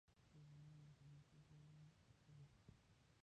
د غلام د همیشه ژوند نه ښه دی.